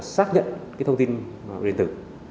xác nhận thông tin điện tử